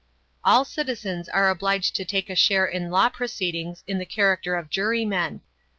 All citizens are obliged to take a share in law proceedings in the character of jurymen.